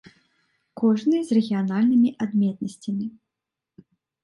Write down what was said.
Кожны з рэгіянальнымі адметнасцямі.